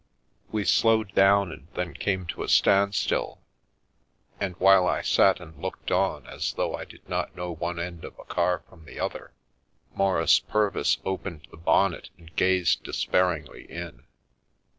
We slowed down and then came to a stand still, and while I sat and looked on, as though I did not know one end of a car from the other, Maurice Purvis opened the bonnet and gazed despairingly in.